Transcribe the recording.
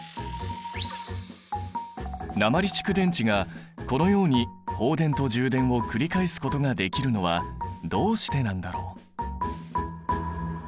鉛蓄電池がこのように放電と充電を繰り返すことができるのはどうしてなんだろう？